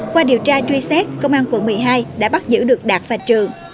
qua điều tra truy xét công an quận một mươi hai đã bắt giữ được đạt và trường